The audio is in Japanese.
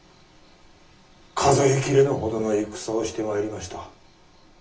数え切れぬほどの戦をしてまいりました。